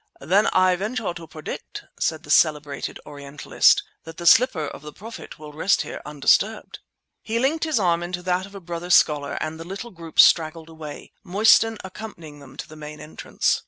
"Then I venture to predict," said the celebrated Orientalist, "that the slipper of the Prophet will rest here undisturbed." He linked his arm into that of a brother scholar and the little group straggled away, Mostyn accompanying them to the main entrance.